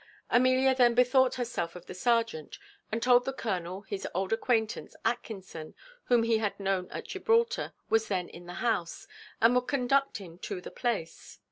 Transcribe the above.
Amelia then bethought herself of the serjeant, and told the colonel his old acquaintance Atkinson, whom he had known at Gibraltar, was then in the house, and would conduct him to the place.